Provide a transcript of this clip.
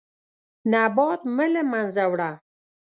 نبات مه له منځه وړه.